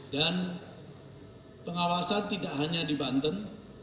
dan pengawasan tidak hanya di banten